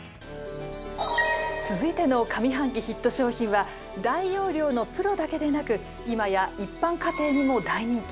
続いての上半期ヒット商品は大容量のプロだけでなく今や一般家庭にも大人気。